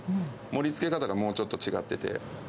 盛りつけ方がもうちょっと違ってて。